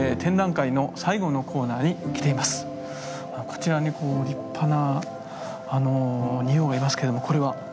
こちらに立派な仁王がいますけどもこれは？